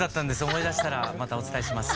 思い出したらまたお伝えします。